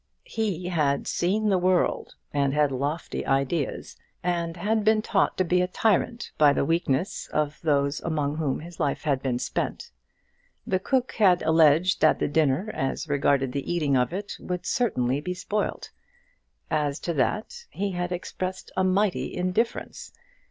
He had seen the world, and had lofty ideas, and had been taught to be a tyrant by the weakness of those among whom his life had been spent. The cook had alleged that the dinner, as regarded the eating of it, would certainly be spoilt. As to that, he had expressed a mighty indifference.